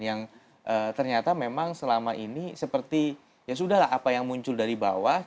yang ternyata memang selama ini seperti ya sudah lah apa yang muncul dari bawah